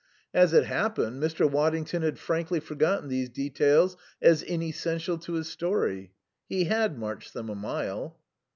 As it happened Mr. Waddington had frankly forgotten these details as inessential to his story. (He had marched them a mile.)